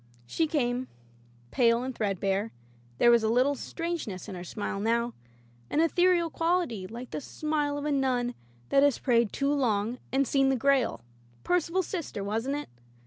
She came, pale and threadbare; there was a little strangeness in her smile now, an ethereal quality, like the smile of a nun that has prayed too long and seen the Grail — Percival's sister, wasn't it